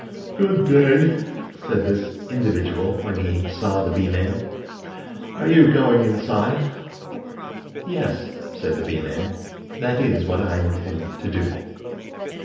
"Good day," said this individual when he saw the Bee man. "Are you going inside?" "Yes," said the Bee man, "that is what I intend to do."